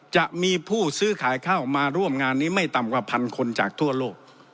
จะมีผู้ซื้อขายข้าวมาร่วมงานนี้ไม่ต่ำกว่าพันคนจากทั่วโลก